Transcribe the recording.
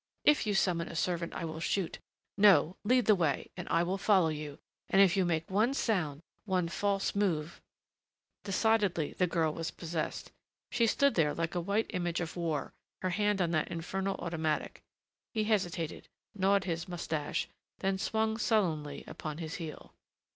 If you summon a servant I will shoot. No, lead the way, and I will follow you. And if you make one sound one false move " Decidedly the girl was possessed. She stood there like a white image of war, her hand on that infernal automatic.... He hesitated, gnawed his mustache, then swung sullenly upon his heel.